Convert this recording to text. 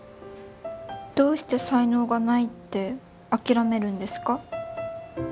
どうして才能がないって諦めるんですか？